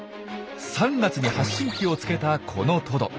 ３月に発信機をつけたこのトド。